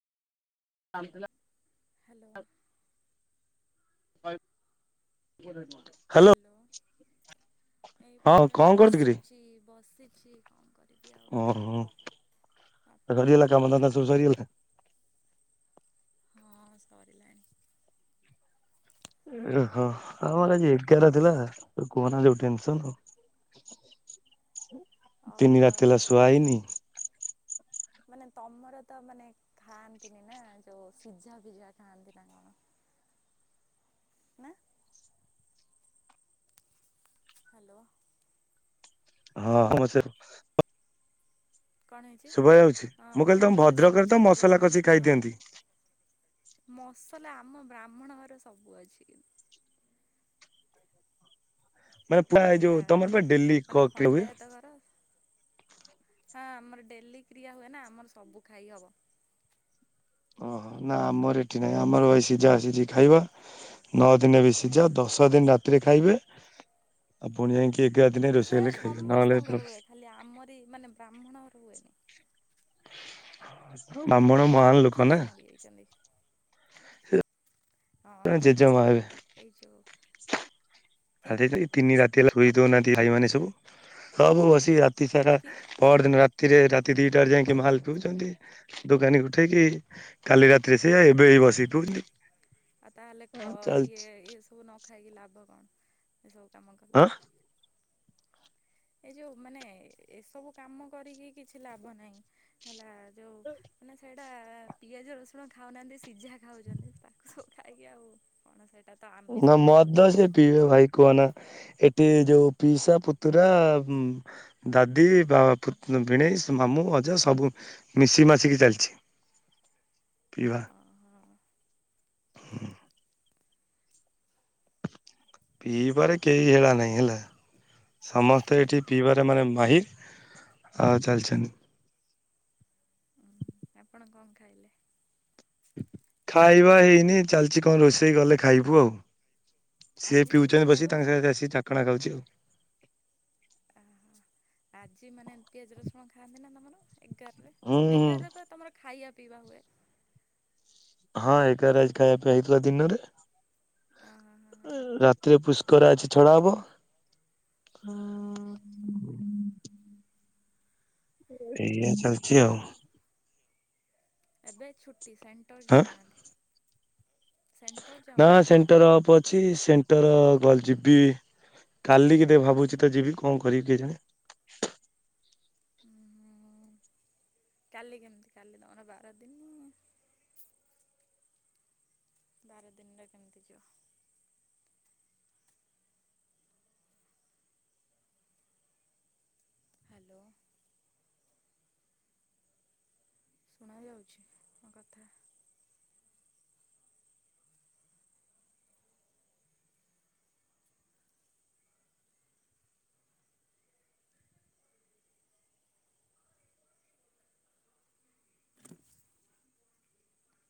[unintelligible] Hello ହାଏ [unintelligible] hello ଏଇ ହଁ ପରା କଣ କରୁଚୁ କିରେ? ବସିଚି ବସିଚି କଣ କରି ଓ ହୋ ଆପଣ? ସରିଲା କାମ ଧନ୍ଦା ସବୁ ସରିଗଲା ହଁ ସରିିଲାଣି ଉଁ ହଁ ଆଉ ଆପଣ ଆମର କଣ ଆଜି କରୁଥିଲେ? ଏଗାର ଥିଲା କୁହନା ଯୋଉ ଟେନ୍ସଂ ତିନି ଓହୋ ରାତି ହେଲା ଶୁଆ ହେଇନି ମାନେ ତମର ତ ମାନେ ଖାଆନ୍ତି ନି ନା ଯୋଉ ସିଝା ଭିଝା ଖାଆନ୍ତି ନା କଣ ନା ହ୍ୟାଲୋ ହଁ ମୁଁ ସେପ୍ କଣ ହେଇଛି ଶୁଭା ଯାଉଛି ହଁ ମୁଁ କହିଲି ତମ କନ୍ତିି ତମର ଭଦ୍ରକରେ ତ ସିଝା ଭିଜା ମସଲା କଷି ଖାଆନ୍ତି ହଁ ଖାଇଦିଅନ୍ତି। ମସଲା ଆମ ବ୍ରାହ୍ମଣ ଘର ସବୁ ଅଛି। କିନ୍ ମାନେ ପୁରା ଏଇ ଯୋଉ ହେଲା ତମର ପା ଡେଲି ମାନେ କ-ଖିଆ ହୁଏ? ଖଣ୍ଡାୟତ ଘର। ହଁ ଆମର ଡେଲି କ୍ରିୟା ହୁଏ ନା ଆମର ସବୁ ଖାଇ ହବ। ଓହୋ ନା ଆମର ଏଠି ନାହିଁ ଆମର ଏ ସିଝା ଆସିଛିି ଖାଇବା। ନଅ ଦିନ ବି ସିଝା ଦଶ ଦିନ ରାତିରେ ଖାଇବେ। ଆପଣ ଯାଇକି ଏଗାର ଦିନ ରୋଷେଇ ସେଇଟା କଲେ ଖାଇବେ ନହେଲେ ସମସ୍ତଙ୍କର ପ୍ରଭ ହୁଏ ଖାଲି ଆମରି ମାନେ ବ୍ରାହ୍ମଣଘର ହୁଏନି। ବ୍ରାହ୍ମଣ। ମହାନ ଲୋକ ନା କିଏ ମରିଯାଇଛନ୍ତି ହଁ ହଁ। ଜେଜେମା ହେବେ ଏଇ ଯୋଉ କିଏ ଆ ତିନି ରାତି ହେଲା ଶୋଇ ଦଉହାନ୍ତି ଭାଇମାନେ ସବୁ। ସବୁ ବସି ରାତି ସାରା କି ପର ଦିନ ରାତି ଥିରେ ରାତି ଦିଟାରେ ଯାଇକି ମାଲ୍ ପିଉଛନ୍ତି ଦୋକାନୀ ଉଠେଇକି। କାଲି ରାତିରେ ସେ ଏବେ ହୁଁ ବସିକି ହୁଁ ପଉଛନ୍ତି ଆଉ ତାହେଲେ କ ଇଏ ଚାଲିଛି। ଏ ସବୁ ନ ଖାଇକି ଲାଭ କଣ ଏ ସବୁ କାମ କଲେ? ହଁ ଏ ଯୋଉ ମାନେ ଏସବୁ କାମ କରିକି କିଛି ଲାଭ ନାହିଁ ହେଲା। ଯୋଉ ମାନେ ସେଇଟା ପିଆଜ ରସୁଣ ଖାଉନାହାଁନ୍ତି ସିଝା ଖାଉଛନ୍ତି। ତାକୁ ସବୁ ଖାଇକି ଆଉ କଣ ସେଇଟା ତ ନା ଆମିଷର ଯାଉଛି ମଦ ନା ସେ ପିଇବେ ଭାଇ। କୁହନା ଏଠି ଯୋଉ ପିସା ପୁତୁରା ଦାଦି ବା ଭିଣେଇ ମାମୁଁ ଅଜା ସବୁ ମିଶିକି ମାସିକି ଚାଲିଛି ପିଇବା। ଓହଃ ବଢ଼ିଆ। ପି ବାରେ କେହି ହେଳା ନାଇଁ ହେଲା। ସମସ୍ତେ ଏଠି ପିଇବାରେ ମାନେ ମାହିର୍ ଆ ଚାଲିଛନ୍ତି। ଉଁ ଆପଣ କଣ ଖାଇଲେ? ଖାଇବା ହେଇନି ଚାଲିଛି କଣ ରୋଷେଇ ଗଲେ ଖାଇବୁ ଆଉ। ସିଏ ଆଜି ପିଉଛନ୍ତି ବସି ଖାଇବ ତାଙ୍କ ନା ସାଙ୍ଗରେ ଆସିିକି ଚାଖଣା ଖାଉଛି। ଓହୋ ଆଜି ମାନେ ପିଆଜ ରସୁଣ ଖାଆନ୍ତି ନା ତମର ଏଗାରରେ? ହୁଁ ହୁଁ ଏଗାରରେ ପା ତମର ଖାଇବା ପିଇବା ହୁଏ। ହଁ ନା? ଏଗାରେ ଆଇଚି ଖାଇବା ପାଇଁ ହେଇଥିଲା ଦିନରେ ଅହଁ ହଁ ହଁ ରା ଥିରେ ପୁଷ୍କରା ଅଛି ଛଡା ହବ। ହଁ ହୁଁ ହୁଁ। ଏଇ ଚାଲିଛି ଆଉ। ଏବେ ଛୁଟି ସେଣ୍ଟର୍ ହଁ ଯାଉନାହାନ୍ତି। ସେଣ୍ଟର ନାଁ ଯାଉନାହାନ୍ତି। ସେଣ୍ଟର ଅଫ କିଛି ସେଣ୍ଟର ଯିବି କାଲିିକି ଦେ ଭାବୁଛି ତ ଯିବି କଣ କରିବି କେଜାଣି? ଉୁ ହୁଁ କାଲି କେମିତି କାଲି ତମର ବାର ଦିନ୍। ବାର ଦିନରେ କେମିତି ଯିବ। ହ୍ୟାଲୋ। ଶୁଣା ଯାଉଛି ମୋ କଥା?